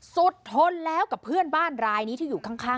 ทนแล้วกับเพื่อนบ้านรายนี้ที่อยู่ข้าง